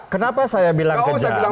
kenapa saya bilang kejam